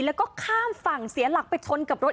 แล้วก็ข้ามฝั่งเสียหลักไปชนกับรถ